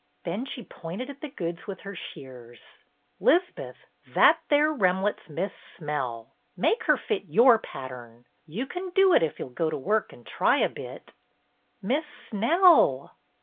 Then she pointed at the goods with her shears. "'Liz'beth, that there remlet 's Miss Smell. Make her fit your pattern. You can do it 'f you 'll go to work and try a bit." "Miss Snell!"